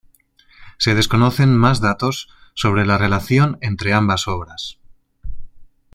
Se desconocen más datos sobre la relación entre ambas obras.